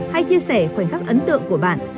hay chia sẻ khoảnh khắc ấn tượng của bạn